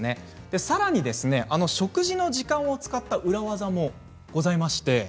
さらに食事の時間を使った裏技もございます。